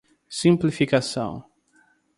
Simplificação